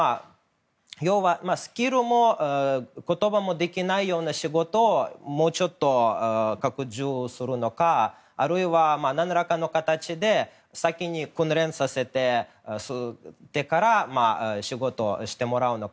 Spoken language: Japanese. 要は、スキルも言葉もいらないような仕事をもうちょっと拡充するのかあるいは何らかの形で先に訓練させてから仕事をしてもらうのか。